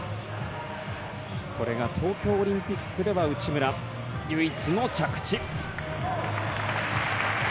これが東京オリンピックでは内村、唯一の着地。